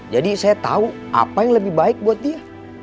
jadi saya tahu apa yang lebih baik buat dia